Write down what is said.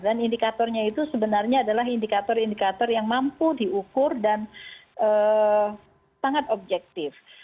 dan indikatornya itu sebenarnya adalah indikator indikator yang mampu diukur dan sangat objektif